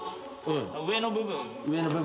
上の部分。